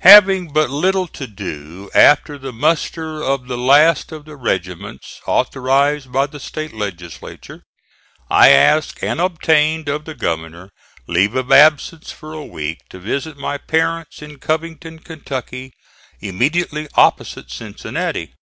Having but little to do after the muster of the last of the regiments authorized by the State legislature, I asked and obtained of the governor leave of absence for a week to visit my parents in Covington, Kentucky, immediately opposite Cincinnati.